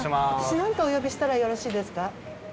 何とお呼びしたらよろしいですか？